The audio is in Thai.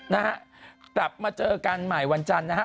นะฮะกลับมาเจอกันใหม่วันจันทร์นะฮะ